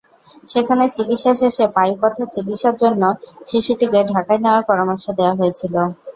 সেখানে চিকিৎসা শেষে পায়ুপথের চিকিৎসার জন্য শিশুটিকে ঢাকায় নেওয়ার পরামর্শ দেওয়া হয়েছিল।